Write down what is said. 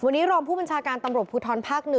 วันนี้รองผู้บัญชาการตำรวจภูทรภาค๑